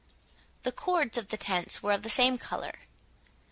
The cords of the tents were of the same colour.